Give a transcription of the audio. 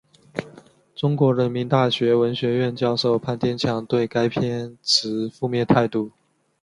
中国人民大学文学院教授潘天强对该片持负面态度。